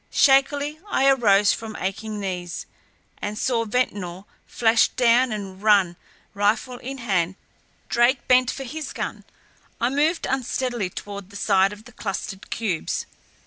Shakily I arose from aching knees, and saw Ventnor flash down and run, rifle in hand, toward his sister. Drake bent for his gun. I moved unsteadily toward the side of the clustered cubes.